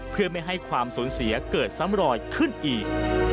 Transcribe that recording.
เพื่อไม่ให้ความสูญเสียเกิดซ้ำรอยขึ้นอีก